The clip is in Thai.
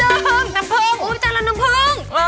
โอ๊ยน้ำเพิ่มน้ำเพิ่มโอ๊ยจัดละน้ำเพิ่ม